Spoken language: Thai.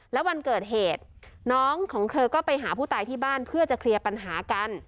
แล้ววันเกิดเหตุน้องของเธอก็ไปหาผู้ตายที่บ้านเพื่อจะเคลียร์ปัญหากัน